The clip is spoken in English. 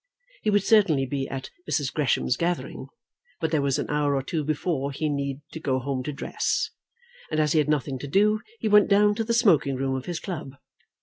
He would certainly be at Mrs. Gresham's gathering; but there was an hour or two before he need go home to dress, and as he had nothing to do, he went down to the smoking room of his club.